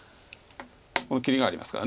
切りがありますから。